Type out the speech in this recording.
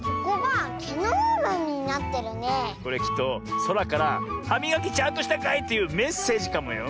これきっとそらから「はみがきちゃんとしたかい？」というメッセージかもよ。